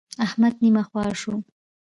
احمد نيمه خوا شو.